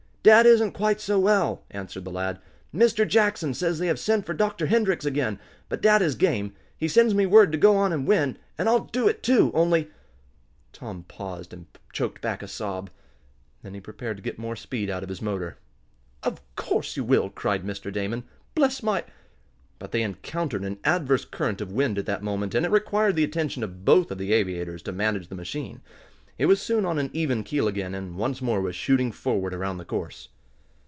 "Dad isn't quite so well," answered the lad. "Mr. Jackson says they have sent for Dr. Hendrix again. But dad is game. He sends me word to go on and win, and I'll do it, too, only " Tom paused, and choked back a sob. Then he prepared to get more speed out of his motor. "Of course you will!" cried Mr. Damon. "Bless my !" But they encountered an adverse current of wind at that moment, and it required the attention of both of the aviators to manage the machine. It was soon on an even keel again, and once more was shooting forward around the course.